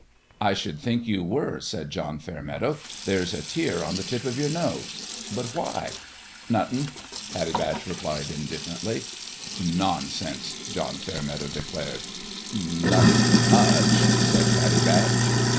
" I should think you were," said John Fair meadow. " There's a tear on the tip of your nose. But why ?"" Nothin'," Pattie Batch replied, indifferently. " Nonsense !" John Fairmeadow declared. " Nothin' much;' said Pattie Batch.